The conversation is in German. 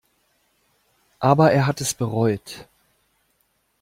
Aber er hat es bereut.